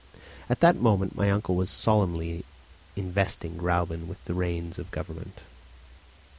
At that moment my uncle was solemnly investing Gräuben with the reins of government.